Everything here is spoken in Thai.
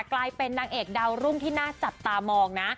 กลายเป็นนางเอกดาวรุ่งที่น่าจับตามองนะ